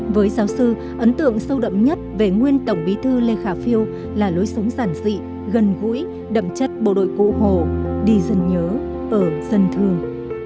với giáo sư ấn tượng sâu đậm nhất về nguyên tổng bí thư lê khả phiêu là lối sống giản dị gần gũi đậm chất bộ đội cụ hồ đi dân nhớ ở dân thương